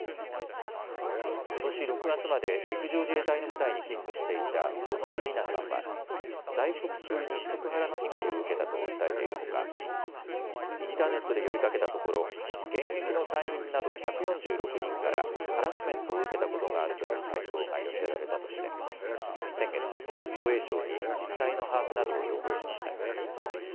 ことし６月まで陸上自衛隊の部隊に勤務していた五ノ井里奈さんは在職中にセクハラの被害を受けたと訴えているほかインターネットで呼びかけたところ現役の隊員など１４６人からハラスメントを受けたことがあるという回答が寄せられたとして先月、防衛省に実態の把握などを要望しました。